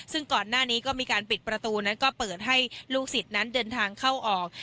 ซึ่งก่อนหน้านี้ก็มีการปิดประตูนั้นก็เปิดให้ลูกศิษย์นั้นเดินทางเข้าออก